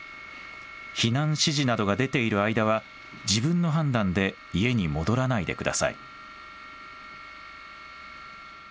避難指示などが出ている間は自分の判断で家に戻らないでください。